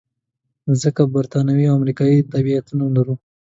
ځکه بریتانوي او امریکایي تابعیتونه لرو.